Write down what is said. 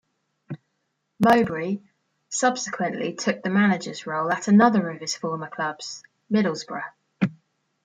Mowbray subsequently took the manager's role at another of his former clubs, Middlesbrough.